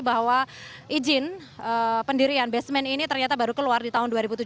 bahwa izin pendirian basement ini ternyata baru keluar di tahun dua ribu tujuh belas